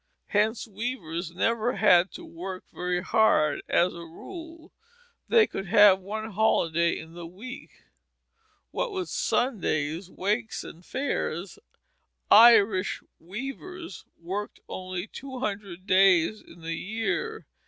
Hence weavers never had to work very hard; as a rule, they could have one holiday in the week. What with Sundays, wakes, and fairs, Irish weavers worked only two hundred days in the year.